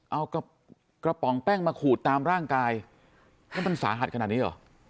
เอากระป๋องแป้งมาขูดตามร่างกายแล้วมันสาหัสขนาดนี้เหรอ